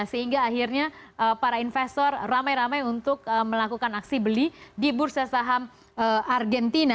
sehingga akhirnya para investor ramai ramai untuk melakukan aksi beli di bursa saham argentina